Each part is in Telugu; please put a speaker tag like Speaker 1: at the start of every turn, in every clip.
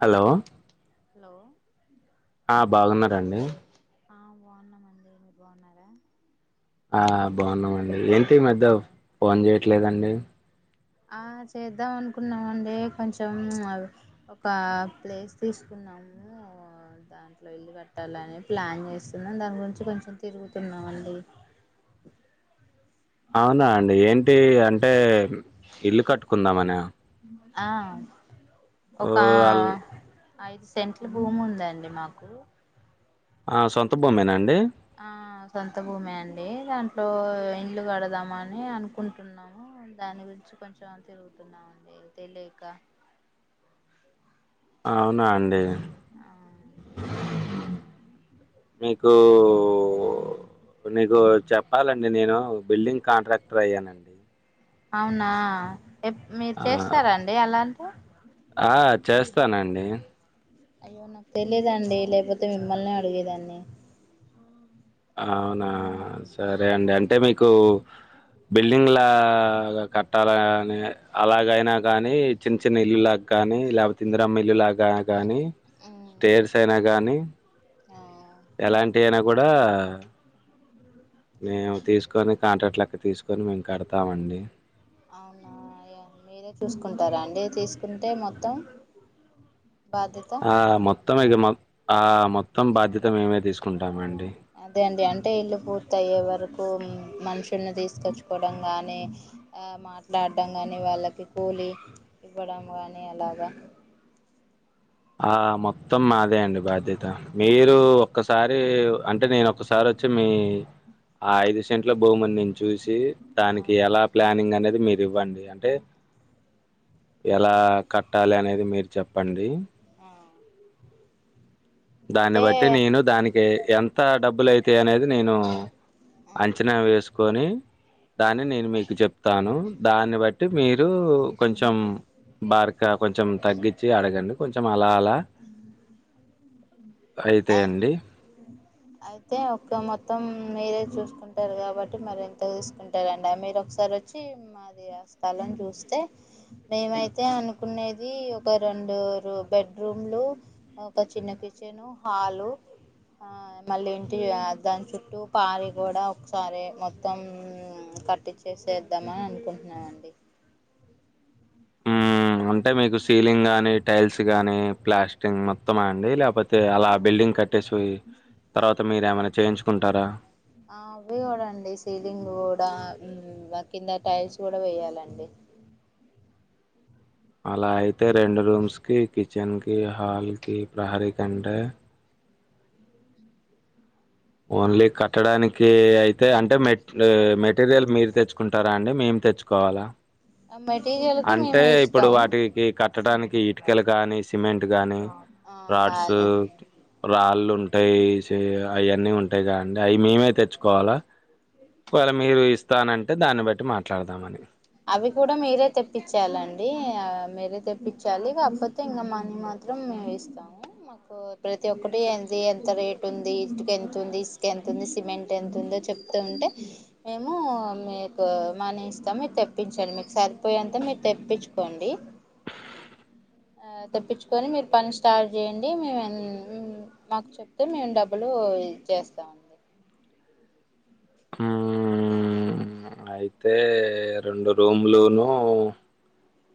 Speaker 1: హలో
Speaker 2: హలో
Speaker 1: ఆ బాగున్నార అండి
Speaker 2: ఆ బాగున్నామండి మీరు బాగున్నారా
Speaker 1: ఆ బాగున్నామండి ఏంటి ఈ మధ్య ఫోన్ చేయట్లేదండి
Speaker 2: ఆ చేద్దాం అనుకున్నామండి కొంచెం అవ్ ఒక ప్లేస్ తీసుకు దాంట్లో వెళ్ళి కట్టాలని ప్లాన్ చేస్తున్నాం దాని గురించి కొంచెం తిరుగుతున్నామన్డి
Speaker 1: అవునా అండి ఏంటి అంటే ఇల్లు కట్టుకుందామనా
Speaker 2: ఆ
Speaker 1: ఓ
Speaker 2: ఒకా
Speaker 1: అల్
Speaker 2: ఐదు సెంట్ల భూమి ఉందండి మాకు
Speaker 1: ఆ సొంత భూమేనా అండి
Speaker 2: అంటే దాంట్లో ఇంలు కడదాం అని అనుకుంటున్నాము దాని గురించి కొంచెం తిరుగు అవ్న్లే తెలీక
Speaker 1: అవునా అండి మీకు ఊ నీకు చెప్పాలండి నేను బిల్డింగ్ కాంట్రాక్టర్ అయ్యానండి
Speaker 2: అవునా ఎప్ మీరు
Speaker 1: ఆ
Speaker 2: చేస్తారా అండి అలాంటివి
Speaker 1: ఆ చేస్తానండి
Speaker 2: అయ్యో నాకు తెలిదండి లేకపోతే మిమ్మల్ని అడిగేదాన్ని
Speaker 1: అవునా సరే అండి అంటే మీకు బిల్డింగ్ లాగా కట్టాలని అలాగైనా కానీ చిన్న చిన్న ఇల్లులా కానీ లేకపో ఇందిరమ్మ ఇల్లు లాగా గాని స్టేర్స్ అయినా కానీ
Speaker 2: ఆ
Speaker 1: ఎలాంటి అయినా కూడా మేము తీసుకొని కాంట్రాక్ట్ లెక్క తీసుకొని మేము కడతామండి
Speaker 2: అవునా మీరే చూసుకుంటారా అండి తీసుకుంటే మొత్తం బాధ్యత
Speaker 1: ఆ మొత్తం ఇక మొ ఆ మొత్తం బాధ్యత మేమే తీసుకుంటామండి
Speaker 2: అదే అండి అంటే ఇల్లు పూర్తయ్యే వరకు మనుషుల్ని తీసుకొచ్చుకోవడం గాని ఆ మాట్లాడ ఆడ్డం కానీ వాళ్ళకి కూలి ఇవ్వడం కానీ అలాగా
Speaker 1: ఆ మొత్తం మాదే అండి బాధ్యత మీరు ఒక్కసారి అంటే నేను ఒక్కసారి వచ్చి మీ ఆ ఐదు సెంట్ల భూముని నేను చూసి
Speaker 2: ఆ
Speaker 1: దానికి ఎలా ప్లానింగ్ అనేది అది మీరువ్వండి అంటే ఎలా కట్టాలి అనేది మీరు చెప్పండి
Speaker 2: ఆ
Speaker 1: దాన్ని
Speaker 2: అంటే
Speaker 1: బట్టి నేను దానికి ఎంత డబ్బులు అయితాయి అనేది నేను
Speaker 2: ఆ
Speaker 1: అంచనా వేసుకొని దాన్ని నేను మీకు చెప్త ను దాన్ని బట్టి మీరు కొంచెం బార్క్ క కొంచెం తగ్గించి అడగండి కొంచెం అలా అలా
Speaker 2: అయి
Speaker 1: అయితాయండి.
Speaker 2: అయితే ఒకము మొత్తం మీరే చూసుకుంటారు కాబట్టి మరి ఇంత తీసుకుంటారండి మీరు ఒకసారి వచ్చి మాది స్థలం చూస్తే మేమైతే అనుకునేది ఒక రెండు రూ బెడ్రూమ్ ఒక చిన్న కిచెను హాలు ఆ మళ్ళీ ఏంటి దాని చుట్టూ పారి గోడ ఒకసారి మొత్తం కట్టి చేసేద్దామని అనుకుంటున్నానండి
Speaker 1: హ్మ్. అంటే మీకు సీలింగ్ గానీ టైల్స్ గానీ ప్లాస్టింగ్ మొత్తమా అండి లేకపోతే అలా బిల్డింగ్ కట్టేసి పోయి తర్వాత మీరు ఏమైనా చేయించుకుంటారా
Speaker 2: ఆ అవి కూడా అండి సీలింగ్ కూడా దాని కింద టైల్స్ కూడా వేయాలండి
Speaker 1: అలా అయితే రెండు రూమ్స్ కి కిచెన్ కి హాల్ కి ప్రహరీ కంటే ఓన్లీ కట్టడానికి అయితే అంటే మె మెటీరియల్ మీరు తెచ్చుకుంటారా అండి మేము తెచ్చుకోవాలా
Speaker 2: మెటీరియల్కి
Speaker 1: అంటే
Speaker 2: మేము
Speaker 1: ఇప్పుడు
Speaker 2: ఇస్తాం
Speaker 1: వాటికి కట్టడానికి ఇటుకలు కానీ సిమెంట్ కాగానీ
Speaker 2: ఆ
Speaker 1: రాడ్స్
Speaker 2: అదే
Speaker 1: రాళ్ళు ఉంటాయి అవన్నీ ఉంటాయి కదండి అవి మేమే తెచ్చుకోవాలా ఒకవేళ మీరు ఇస్తానంటే దాన్ని బట్టి మాట్లాడదామని
Speaker 2: అవి కూడా మీరే తెప్పించాలండి ఆ మీరే తెప్పించాలి కాకపోతే ఇంకా మనీ మ మాత్రం మేము ఇస్తాము మాకు ప్రతి ఒక్కటి ఎంత రేటు ఉంది ఇటుక ఎంత తుంది ఇసుక ఎంత ఉంది సిమెంట్ ఎంత ఉంది చెప్తుంటే మేము మీకు మనీ ఇస్తాము తెప్పించండి మీకు సరిపోయేంత మీరు తెప్పించుకోండి తెప్పించుకొని మీరు పని స్టార్ట్ చేయండి మే మాకు చెప్తే మేము డబ్బులు ఇచ్చేస్తా ఉంది
Speaker 1: హ అయితే రెండు రూమ్లును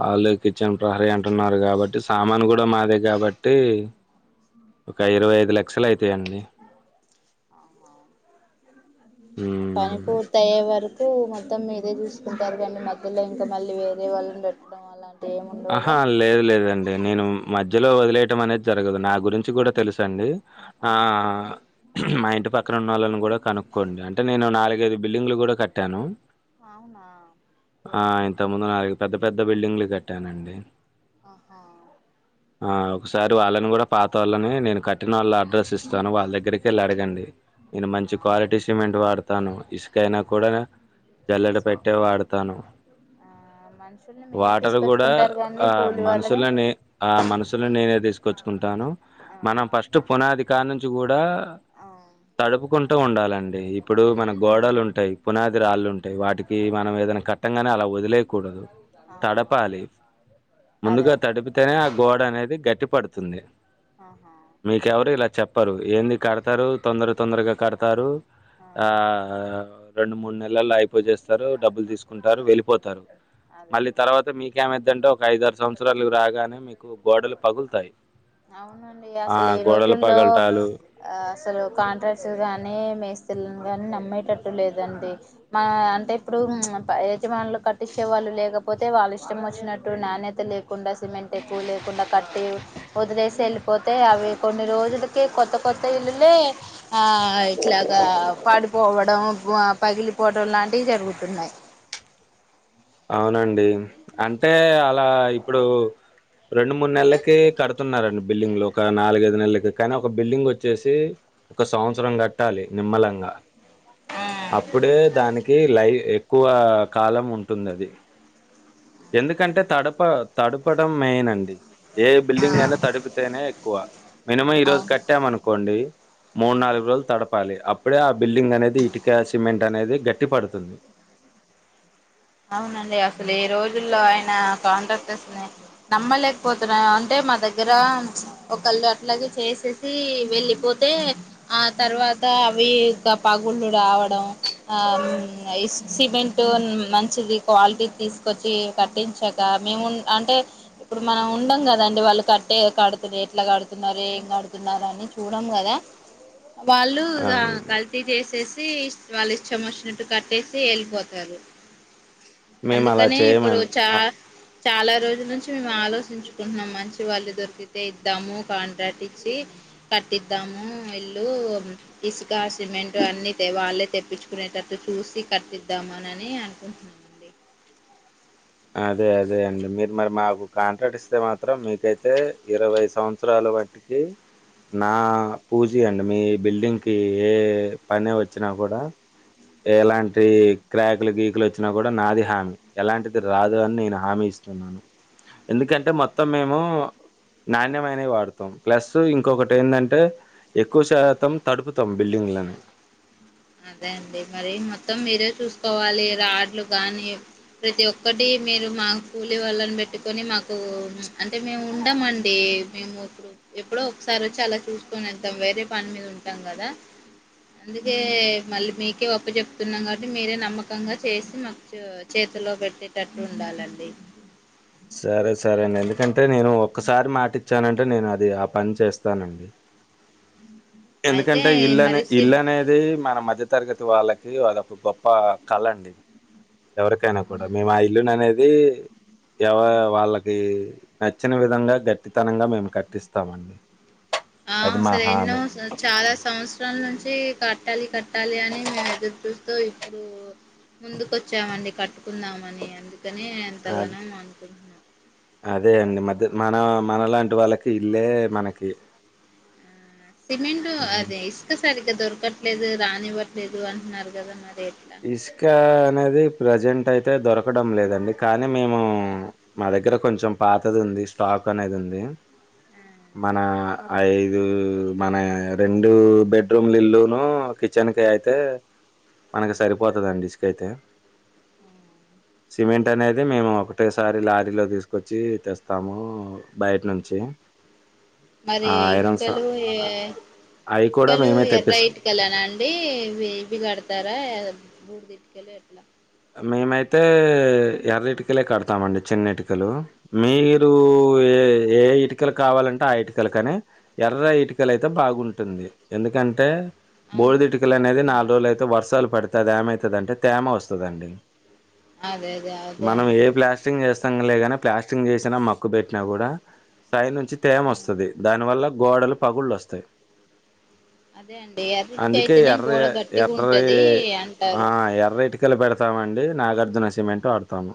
Speaker 1: హాలు కిచెన్ ప్రహరీ అంటున్నారు కాబట్టి సామాను కూడా మాదే కాబట్టి ఒక ఇరవై ఐదు లక్షలు అయితాయండి మ్మ్
Speaker 2: పనిపూర్తాయవరకు ప్పు మొత్తం మీదే చూసుకుంటారు కానీ మధ్యలో ఇంకా మళ్ళీ వేరే వాళ్ళని పెట్టడం అలా
Speaker 1: ఆహా లేదు లేదండి నేను మధ్ ధ్యలో వదిలేయటం అనేది జరగదు నా గురించి కూడా తెలుస అండి ఆ మా ఇంటి పక్కన ఉన్న వాళ్ళని కూడా కనుక్కోండి అంటే నేను నాలుగు గైదు బిల్డింగ్ లు కూడా కట్టాను
Speaker 2: అవునా
Speaker 1: ఇంతముందు నాలుగు పెద్ద పెద్ద బిల్డింగ్లు కట్టానండి
Speaker 2: ఆహా
Speaker 1: ఆ ఒకసారి వాళ్ళని కూడా పాత వాళ్ళని నేను కట్టిన వాళ్ళ అడ్రస్ ఇస్తాను వాళ్ళ దగ్గరికి వెళ్ళి అడగండి నేను
Speaker 2: ఆ
Speaker 1: మంచి క్వాలిటీ సిమెంట్ వాడతాను ఇసుకైనా కూడా జల్లెడ పట్టే వాడతాను
Speaker 2: ఆ మనుషుల్ని మీరే
Speaker 1: క్కడ కూడా
Speaker 2: తీసుకొచ్చుకుంటారు కండి
Speaker 1: ఆ
Speaker 2: కూలి వాళ్ళని
Speaker 1: మనసులని ఆ మనసుని నేనే తీసుకొచ్చుకుంటాను
Speaker 2: ఆ
Speaker 1: మనం ఫస్ట్ పునాది కానుంచి గూడా
Speaker 2: ఆ
Speaker 1: తడుపుకుంటూ ఉండాలండి ఇప్పుడు మన గోడలు ఉంటాయి పునాది రాళ్ళు ఉంటాయి వాటికి మనం ఏదనా కట్టంగానే అలా వదిలేయకూడదు
Speaker 2: ఆ
Speaker 1: తడపాలి
Speaker 2: అదే
Speaker 1: ముందుగా
Speaker 2: అదే
Speaker 1: తడిపితేనే ఆ గోడ అనేది గట్టిపడుతుంది
Speaker 2: ఆహా
Speaker 1: మీకెవరు ఇలా చెప్పరు ఏంది కడతారు తొందర తొందరగా కడతారు ఆ రెండు మూడు నె లల్లో అయిపోజేస్తారు డబ్బులు తీసుకుంటారు వెళ్ళిపోతారు
Speaker 2: అదే
Speaker 1: మళ్ళీ
Speaker 2: అండి
Speaker 1: తర్వాత మీకేమద్దంటే ఒక ఐదురు సంవత్సరాలు రాగానే మీకు గోడలు పగులుతాయి
Speaker 2: అవునండి
Speaker 1: ఆ
Speaker 2: అసలు ఈ
Speaker 1: గోడలు
Speaker 2: రోజుల్లో
Speaker 1: పగలటాలు
Speaker 2: ఆ అసలు కాంట్రాక్ట్ గానీ మేస్తిలను గాని నమ్మేటట్టు లేదండి మన అంటే ఇప్పుడు యజమానులు కట్టించేవాళ్ళు లేకపోతే వాళ్ళు ఇష్టం వచ్చినట్టు నాణ్యతను లేకుండా సిమెంట్ ఎక్కువ లేకుండా కట్టి వదిలేసి వెళ్ళిపోతే అవి కొన్ని రోజులకే కొ కొత్త కొత్త ఇల్లులే ఆ ఇట్లాగా పాడిపోవడం పగిలి ఫోటం లాంటివి జరుగుతున్నాయి
Speaker 1: అవునండి అంటే అలా ఇప్పుడు రెండు మూడు నెలలకి కడుతున్నారండి బిల్డింగ్ లో ఒక నాలుగైదు నెలలకి కానీ ఒక బిల్డింగ్ వచ్చేసి ఒక సంవత్సరం కట్టాలి నిమ్మలంగా
Speaker 2: ఆ
Speaker 1: అప్పుడే దానికి లైవ్ ఎక్కువ కాలం ఉంటుంది అది ఎందుకంటే తడప తడుపడం మెయిన్ అండి ఏ బిల్డింగ్ అయినా తడిపితేనే ఎక్కువ మినిమం ఈ
Speaker 2: ఆ,
Speaker 1: రోజు
Speaker 2: అవును
Speaker 1: కట్టామనుకోండి మూడు నాలుగు రోజులు తడపాలి ఇప్పుడే ఆ బిల్డింగ్ అనేది ఇటుక సిమెంట్ అనేది గట్టి పడుతుంది
Speaker 2: అవునండి అసలు ఈ రోజుల్లో ఆయన కాంట్రాక్టర్స్ ని నమ్మలేకపోతున్నా అంటే మా దగ్గర ఒకళ అట్లాగ చేసేసి వెళ్ళిపోతే ఆ తర్వాత అవి కా పగుళ్ళు రావడం ఆ ఇస్ సిమెంట్ మ ది క్వాలిటీ తీసుకొచ్చి కట్టించక మేము అంటే ఇప్పుడు మనం ఉండం కదండి వ వాళ్ళు కట్టే కడుతున్నారు ఎట్లా కడుతున్నారు ఏం కడుతున్నారు అని చూడం కదా వాళ్ళు ఇగ
Speaker 1: అన్
Speaker 2: కల్తీ చేసేసి తీస్ వాళ్ళు ఇష్టం వచ్చినట్టు కట్టేసి ఎళ్ళిపోతారు
Speaker 1: మేము అలా
Speaker 2: అందుకని ఇప్పుడు
Speaker 1: చేయమని
Speaker 2: చా చాలా రోజుల నుంచి మేము ఆలోచించుకుంటున్నాం మంచి వాళ్ళు దొరికితే ఇద్దాము కాంట్రాక్ట్ ఇచ్చి కట్టిద్దాం ఇల్లు ఇసుక సిమెంట్ అన్ని దే వాళ్ళే తెప్పించుకునేటట్టు చూసి కట్పిద్దాము అని అ కుంటున్నానండి
Speaker 1: అదే అదే అండి మీరు మరి మాకు కాంట్రాక్ట్ ఇస్తే మాత్రం మీకైతే ఇరవై సంవత్సరాలు కాబట్టికి నా పూచి అండి మీ బిల్డింగ్కి ఏ పనే వచ్చినా కూడా ఎలాంటి క్రాకులు గీకులు వచ్చినా కూడా నాది హామీ ఎలాంటి రాదు అని నేను హామీ ఇస్తున్నాను ఎందుకంటే మొత్తం మేము నాణ్యమైనవి వాడుతాం ప్లస్ ఇంకొకటి ఏంటంటే ఎక్కువ శాతం తడుపుతాం బిల్డింగ్ ఉన్లమే
Speaker 2: అంతే అండి మరి మొత్తం మీరే చూసుకోవాలి రాడ్లు గానీ ప్రతి ఒక్కటి మీరు మా కూలీ వాళ్ళని పెట్టుకొని మాకు అంటే మేము ఉండం అండి కి మేము ఎప్పుడో ఒకసారి వచ్చి అలా చూసుకొని వెద్దాం వేరే పని మీద ఉంటాం కదా అందుకే మళ్ళీ మీకే ఒప్పు చెప్తున్నాం కాబట్టి మీరే నమ్మకంగా చేసి మాకు చేతిలో పెట్టేటట్టు ఉండా డాలండీ
Speaker 1: సరే సరే అండి ఎందుకంటే నేను ఒక్కసారి మాటి ఇచ్చానంటే నేను అది ఆ పని చేస్తానండి
Speaker 2: అయితే
Speaker 1: ఎందుకంటే ఇల్లునే
Speaker 2: మరి
Speaker 1: ఇల్లు
Speaker 2: సిప్
Speaker 1: అనేది మన మధ్ ధ్య తరగతి వాళ్ళకి అదొక గొప్ప కళ అండి ఎవరికైనా కూడా
Speaker 2: అవునండి
Speaker 1: మేము ఆ ఇల్లును అనేది ఎవ వాళ్ళకి నచ్చిన విధంగా గట్టితనంగా మేము కట్టిస్తామం
Speaker 2: ఆ సరే ఎన్నో స చాలా సంవత్సరాల నుంచి కట్టాలి కట్టాలి అని మేము ఎదురు చూస్తూ ఇప్పుడు ముందుకు ఓచ్చామండి కట్టుకుందామని అందుకని
Speaker 1: అ
Speaker 2: ఎంతగానో అనుకుంటున్నా
Speaker 1: అదే అండి మధ్య మన మన లాంటి వాళ్ళకి ఇల్లే మనకి
Speaker 2: ఆ, సిమెంట్
Speaker 1: హ్మ్.
Speaker 2: అదే ఇసుక సరి ఇ దొరకట్లేదు రానివ్వట్లేదు అంటున్నారు కదా మరి ఎట్లా
Speaker 1: ఇస్కా అనేది ప్రజెం ట్ అయితే దొరకడం లేదండి కానీ మేము మా దగ్గర కొంచెం పాతది ఉంది స్టాక్ అనేది ఉం దే
Speaker 2: ఆ,
Speaker 1: మన ఐదు మన రెండు బెడ్రూమ్ల ఇల్ల్లోనో కిచ్ చన్ అయితే
Speaker 2: ఆ, ఆ.
Speaker 1: మనకి సరిపోతుందిండి ఇస్కైతే సిమెంట్ అనేది మేము ఒకటేసారి లారీలో తీసుకొచ్చి తెస్తాము బయట నుంచి
Speaker 2: మరే
Speaker 1: ఆ ఐరన్స్
Speaker 2: ఇటుకలు ఏ
Speaker 1: అవి కూడా
Speaker 2: ఇటుకలు
Speaker 1: మేమే
Speaker 2: ఎర్ర
Speaker 1: తెప్పిస్తాం
Speaker 2: ఇటుకలేనండి ఇవ్వీ ఇవ్వీ కడుత్ తరా బూడుదిట్టుకెళ ఎట్లా
Speaker 1: మేమైతే ఎర్ర ఇటుకలే కడతామండి చిన్న ఇటుకలు మీరు
Speaker 2: ఆ
Speaker 1: ఏ ఏ ఏ ఇటుకలు కావాలంటే ఆ ఇటుకలు కానీ ఎర్ర ఇటుకల అయితే బాగుంటుంది ఎందుకంటే బుడిద
Speaker 2: అవును
Speaker 1: ఇటుకలు అనేది
Speaker 2: ఉమ్
Speaker 1: నాలుగు రోజులు అయితే వర్షాలు పడితే అది ఏమైతదంటే తేమ వస్తదండి
Speaker 2: అదే అదే అదే
Speaker 1: మనం
Speaker 2: అండి
Speaker 1: ఏ ప్లాస్టింగ్ ఎస్ తంగులేయగానే ప్లాస్ట్రింగ్ చేసినా మక్కు పెట్టిన కూడా సైడ్ నుంచి తేమ
Speaker 2: ఆ
Speaker 1: వస్తది దానివల్ల గోడలు పగుళ్ళు వస్తాయి
Speaker 2: అదే అండి ఎర్రిటికి
Speaker 1: అందుకే
Speaker 2: అయితేనే
Speaker 1: ఎర్ర
Speaker 2: గోడ గట్టిగా
Speaker 1: ఎర్ర
Speaker 2: ఉంటది
Speaker 1: ఆ
Speaker 2: అంటారు
Speaker 1: ఎర్ర ఇటుకల్ పెడతామండి నాగార్జున సిమెంట్ వాడతాము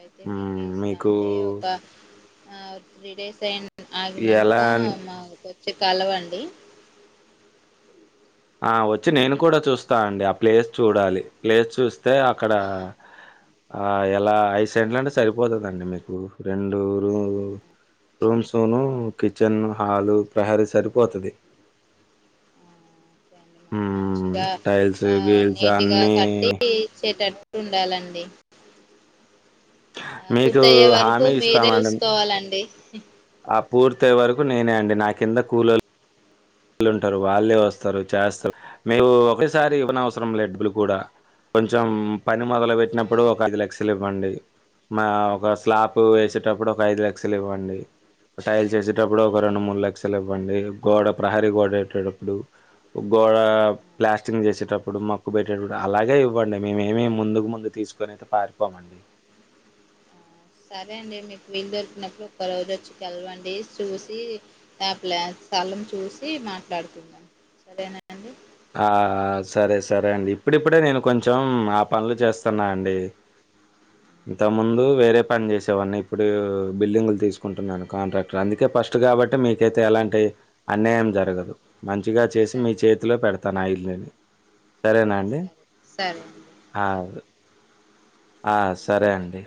Speaker 2: అయితే మీకే
Speaker 1: హ్మ్
Speaker 2: ఇస్తా
Speaker 1: మీకు
Speaker 2: అండి ఒక త్రీ డేస్ అయి
Speaker 1: ఎలా
Speaker 2: ఆగినంక
Speaker 1: అన్
Speaker 2: మా కొచ్చి కలవండి
Speaker 1: ఆ వచ్చి నేను కూడా చూస్తా అండి ఆ ప్లేస్ చూడాలి ప్లేస్ చూసి త్తే అక్కడ
Speaker 2: ఆ ఆ
Speaker 1: ఆ ఎలా ఐదు సెంట్లు అంటే సరిపోతదండి మీకు రెండు రూమ్లు రూమ్స్ను కిచెన్ హాలు ప్రహరీ సరిపోతది
Speaker 2: ఓకే అండి
Speaker 1: హ్మ్.
Speaker 2: మంచిగా
Speaker 1: టైల్స్,
Speaker 2: ఆ
Speaker 1: గీల్స్
Speaker 2: నీటిగా
Speaker 1: అన్నీ
Speaker 2: కట్టి ఇచేటట్టు ఉండాలండి ఆ పూర్త
Speaker 1: మీకు
Speaker 2: అయ్యే వరకు
Speaker 1: హామీ
Speaker 2: మీరే
Speaker 1: ఇస్తామండి.
Speaker 2: చూసుకోవాలండి
Speaker 1: ఆ పూర్తీ అయ్యే వరకు నేనే అండి నా కింద కూల్లోలు ఉంటరు వాళ్ళు వాళ్ళే వస్తరు చేస్తరు మేము ఒకసారి ఇవ్వనవసరంలె డబ్బులు కూడా కొంచెం పని మొదలు
Speaker 2: ఆ
Speaker 1: పెట్టినప్పుడు ఒక పది లక్షలు ఇవ్వండి మా ఒక స్లాప్ వేసేటప్పుడు ఒక ఐదు లక్షలు ఇవ్వండి టైల్స్ ఎసేటప్పుడు ఒక
Speaker 2: ఆ
Speaker 1: రెండు మూడు లక్షలు ఇవ్వండి గోడ ప్రహారీ గోడ ఎట్టేటప్పుడు గోడ ప్లాస్టింగ్ చేసేటప్పుడు మక్కు పెట్టేటప్పుడు అలాగే ఇవ్వండి మేమేమి ముందుకు ముందు తీసుకొని అయితే పారిపోమండి
Speaker 2: సరే అండి మీకు వీలు దొరికినప్పుడు ఒక రోజు వచ్చి కలవండి చూసి నా ప్లాన్ స్థలం చూసి మాట్లాడుకుందం సరేనా అండి
Speaker 1: ఆ సరే సరే అండి ఇప్పుడిప్పుడే నేను కొంచెం ఆ పనులు చేస్తన్నా అండి ఇంత ముందు వేరే పని చేసేవాడిని ఇప్పుడు బిల్డింగులు తీసుకుంటున్నాను కాంట్రాక్టర్ అందుకే ఫస్ట్ కాబట్టి మీకైతే ఎలాంటి అన్యాయం జరగదు మంచిగా చేసి మీ
Speaker 2: సరే
Speaker 1: చేతిలో పెడ తాను ఆ ఇల్లుని
Speaker 2: ఆ
Speaker 1: సరేనా అండి
Speaker 2: సరే సరే
Speaker 1: ఆ అండి ఆ సరే అండి